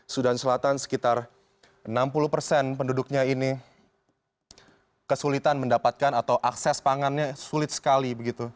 sudan selatan sekitar enam puluh persen penduduknya ini kesulitan mendapatkan atau akses pangannya sulit sekali